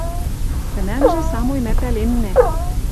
Тӹнӓмжӹ самой мӓ пӓленнӓ